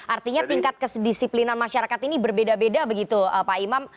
artinya tingkat kedisiplinan masyarakat ini berbeda beda begitu pak imam